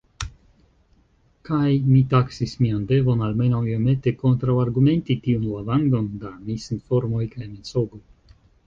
Kaj mi taksis mian devon almenaŭ iomete kontraŭargumenti tiun lavangon da misinformoj kaj mensogoj.